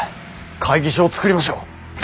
会議所を作りましょう。